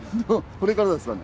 これからですかね？